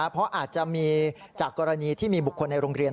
เพราะอาจจะมีจากกรณีที่มีบุคคลในโรงเรียน